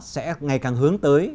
sẽ ngày càng hướng tới